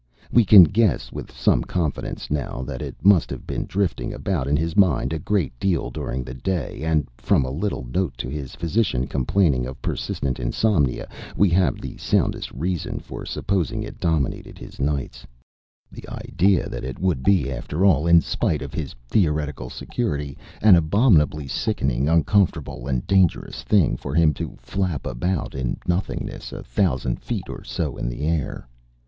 We can guess with some confidence now that it must have been drifting about in his mind a great deal during the day, and, from a little note to his physician complaining of persistent insomnia, we have the soundest reason for supposing it dominated his nights, the idea that it would be after all, in spite of his theoretical security, an abominably sickening, uncomfortable, and dangerous thing for him to flap about in nothingness a thousand feet or so in the air.